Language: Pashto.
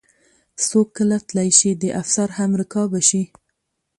څوک کله تلی شي د افسر همرکابه شي.